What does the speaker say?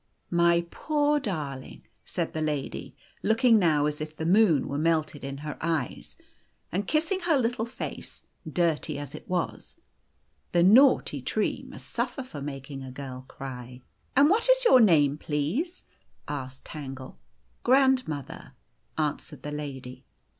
" My poor darling !" said the lady, looking now as if the moon were melted in her eyes, and kissing her little face, dirty as it was, " the naughty tree must suffer for making a girl cry." " And what is your name, please ?" asked Tangle. " Grandmother," answered the lady.